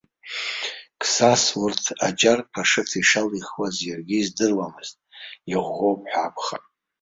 Қсас урҭ аџьарқәа ашыц изалихуаз иаргьы издыруамызт, иӷәӷәоуп ҳәа акәхап.